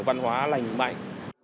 văn hóa lành mạnh